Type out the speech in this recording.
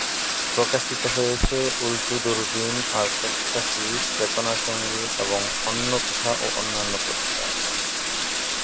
প্রকাশিত হয়েছে: উল্টো দূরবীন, অর্কেস্ট্রা শিস, চেতনা সঙ্গী, এবং অন্য কথা ও অন্যান্য পত্রিকায়।